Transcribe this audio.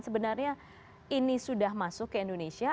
sebenarnya ini sudah masuk ke indonesia